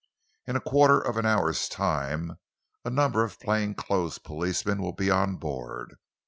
In a quarter of an hour's time, a number of plainclothes policemen will be on board.